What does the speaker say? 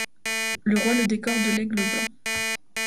Le roi le décore de l'Aigle Blanc.